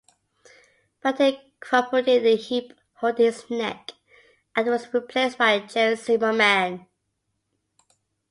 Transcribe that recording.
Battey crumpled in a heap holding his neck and was replaced by Jerry Zimmerman.